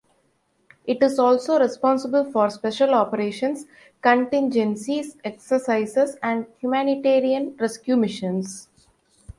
It is also responsible for special operations contingencies, exercises, and humanitarian rescue missions.